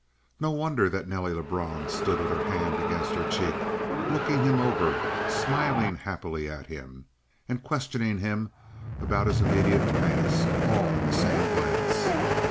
No wonder that Nelly Lebrun stood with her hand against her cheek, looking him over, smiling happily at him, and questioning him about his immediate past all in the same glance.